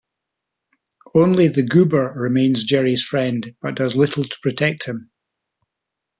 Only The Goober remains Jerry's friend but does little to protect him.